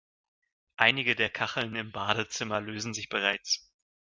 Einige der Kacheln im Badezimmer lösen sich bereits.